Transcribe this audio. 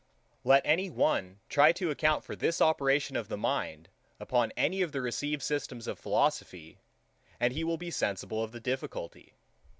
Let any one try to account for this operation of the mind upon any of the received systems of philosophy, and he will be sensible of the difficulty.